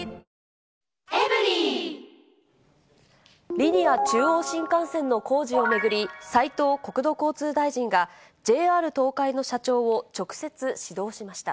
リニア中央新幹線の工事を巡り、斉藤国土交通大臣が、ＪＲ東海の社長を直接指導しました。